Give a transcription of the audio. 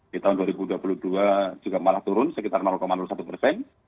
di tahun dua ribu dua puluh dua juga malah turun sekitar satu persen